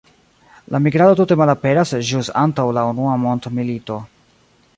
La migrado tute malaperas ĵus antaŭ la Unua mondmilito.